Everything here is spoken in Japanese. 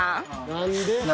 何で？